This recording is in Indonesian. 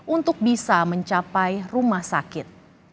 untuk bisa mencapai rumah sakit